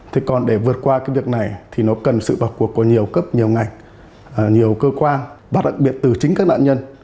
thế còn để vượt qua cái việc này thì nó cần sự vào cuộc của nhiều cấp nhiều ngành nhiều cơ quan và đặc biệt từ chính các nạn nhân